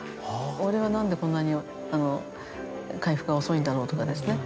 「俺は何でこんなに回復が遅いんだろう」とかですね。